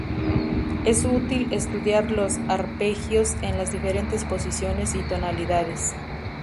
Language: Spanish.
Es útil estudiar los arpegios en las diferentes posiciones y tonalidades.